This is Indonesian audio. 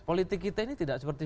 politik kita ini tidak seperti